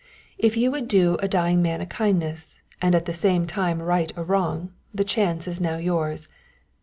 If you would do a dying man a kindness, and at the same time right a wrong, the chance is now yours.